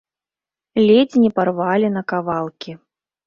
Ледзь не парвалі на кавалкі!